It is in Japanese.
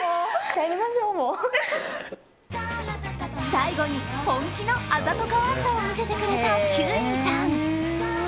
最後に本気のあざとカワイさを見せてくれた休井さん。